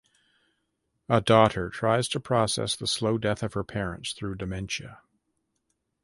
A daughter tries to process the slow death of her parents through dementia.